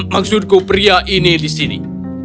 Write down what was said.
maksudku pria ini di sini